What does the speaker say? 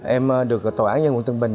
em được tòa án nhân quân tân bình